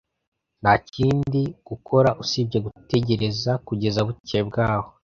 Nta kindi gukora usibye gutegereza kugeza bukeye bwaho.